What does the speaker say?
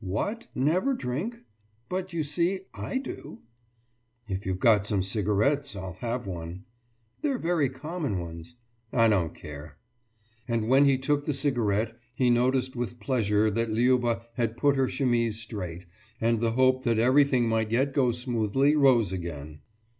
« »What, never drink! But you see, I do!« »If you've got some cigarettes, I'll have one.« »They're very common ones.« »I don't care.« And when he took the cigarette he noticed with pleasure that Liuba had put her chemise straight, and the hope that everything might yet go smoothly rose again.